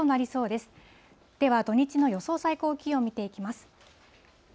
では、土日の予想最高気温、見ていきます。